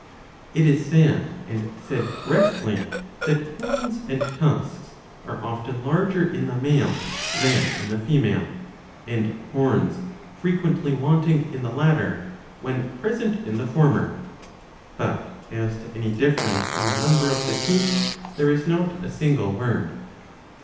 It is said, and said correctly, that horns and tusks are often larger in the male than in the female, and horns fre quently wanting in the latter when present in the former ; but as to any difference in the number of the teeth, there is not a single word.